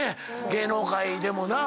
芸能界でもな。